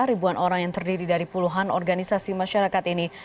ribuan orang yang terdiri dari puluhan organisasi masyarakat ini